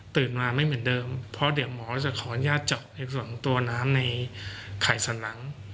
มาไม่เหมือนเดิมเพราะเดี๋ยวหมอจะขออนุญาตเจาะในส่วนของตัวน้ำในไข่สันหลัง